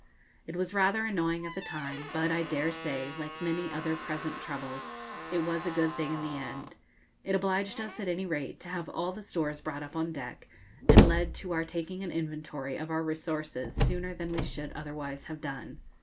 It was rather annoying at the time, but, I dare say, like many other present troubles, it was a good thing in the end. It obliged us, at any rate, to have all the stores brought up on deck, and led to our taking an inventory of our resources sooner than we should otherwise have done.